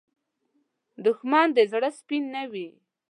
دښمن د زړه سپین نه وي